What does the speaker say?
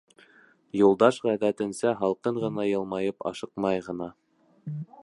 Юлдаш, ғәҙәтенсә, һалҡын ғына йылмайып, ашыҡмай ғына: